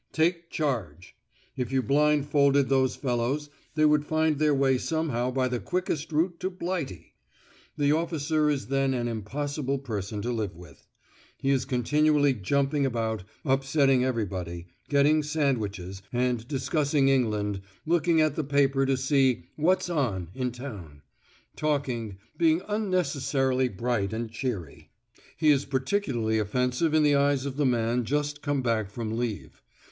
"Take charge!" If you blind folded those fellows they would find their way somehow by the quickest route to Blighty! The officer is then an impossible person to live with. He is continually jumping about, upsetting everybody, getting sandwiches, and discussing England, looking at the paper to see "What's on" in town, talking, being unnecessarily bright and cheery. He is particularly offensive in the eyes of the man just come back from leave.